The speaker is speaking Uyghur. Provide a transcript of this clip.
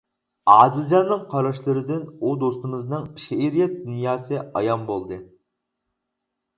ئادىلجاننىڭ قاراشلىرىدىن ئۇ دوستىمىزنىڭ شېئىرىيەت دۇنياسى ئايان بولدى.